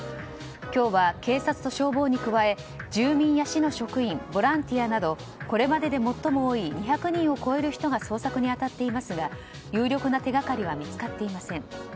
今日は警察と消防に加え住民や市の職員ボランティアなどこれまでで最も多い２００人を超える人が捜索に当たっていますが有力な手掛かりは見つかっていません。